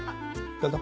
どうぞ。